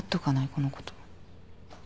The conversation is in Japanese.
このこと。